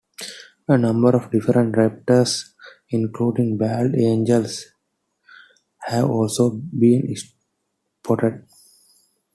A number of different raptors - including bald eagles - have also been spotted.